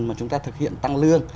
mà chúng ta thực hiện tăng lương